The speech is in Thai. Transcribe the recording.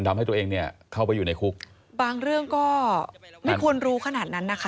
ทำให้ตัวเองเนี่ยเข้าไปอยู่ในคุกบางเรื่องก็ไม่ควรรู้ขนาดนั้นนะคะ